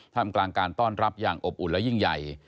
ทำกลางการต้อนรับอย่างอบอุ่นและยิ่งใหญ่